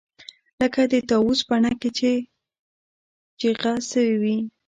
لکه د طاووس بڼکې چې چجه سوې وي.